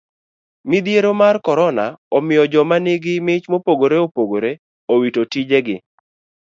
Midhiero mar korona omiyo joma nigi mich mopogore opogore owito tije gi.